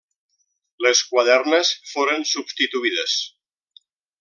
Les quadernes foren substituïdes.